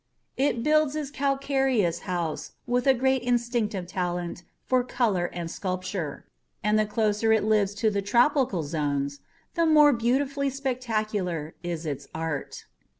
It builds its calcareous house with a great instinctive talent for color and sculpture. . .and the closer it lives to the tropical zones, the more beautifully spectacular is its art.